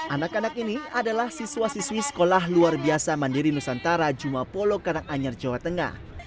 anak anak ini adalah siswa siswi sekolah luar biasa mandiri nusantara jumapolo karanganyar jawa tengah